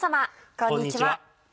こんにちは。